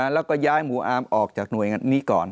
แล้วก็ย้ายหมู่อาร์มออกจากหน่วยงานนี้ก่อน